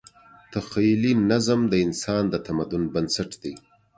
تخیلي نظم د انسان د تمدن بنسټ دی.